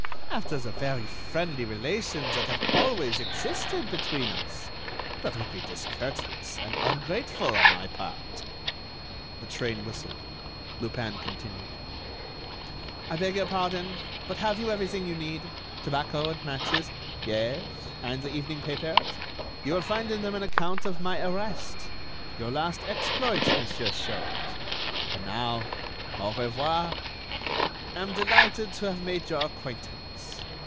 After the very friendly relations that have always existed between us! That would be discourteous and ungrateful on my part." The train whistled. Lupin continued: "I beg your pardon, but have you everything you need? Tobacco and matches ... yes ... and the evening papers? You will find in them an account of my arrest—your last exploit, Monsieur Sholmes. And now, au revoir. Am delighted to have made your acquaintance.